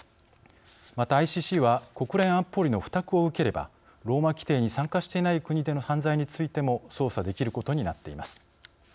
また、ＩＣＣは国連安保理の付託を受ければローマ規程に参加していない国での犯罪についても捜査できることになっています。